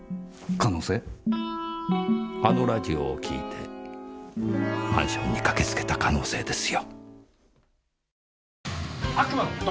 あのラジオを聴いてマンションに駆けつけた可能性ですよ。